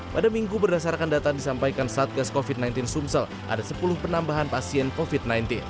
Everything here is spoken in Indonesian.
pada minggu berdasarkan data disampaikan satgas covid sembilan belas sumsel ada sepuluh penambahan pasien covid sembilan belas